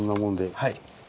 はい。